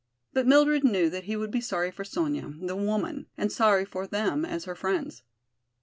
But Mildred knew that he would be sorry for Sonya, the woman, and sorry for them as her friends.